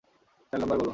Channel number বলো।